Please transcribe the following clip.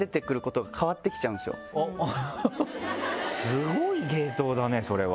スゴい芸当だねそれは。